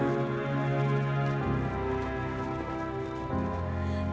untuk update transaksi krijd